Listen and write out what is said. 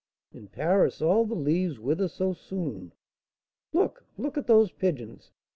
In Paris, all the leaves wither so soon. Look! look at those pigeons!